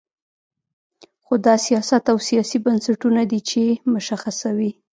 خو دا سیاست او سیاسي بنسټونه دي چې مشخصوي.